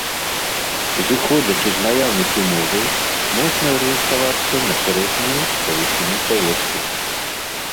Зыходзячы з наяўных умоваў, можна арыентавацца на сярэднюю па вышыні паводку.